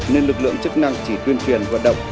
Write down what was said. nên lực lượng chức năng chỉ tuyên truyền vận động